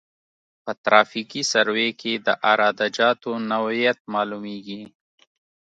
په ترافیکي سروې کې د عراده جاتو نوعیت معلومیږي